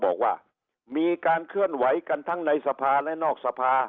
บอกว่ามีการเคลื่อนไหวกันทั้งในสภาและนอกสภา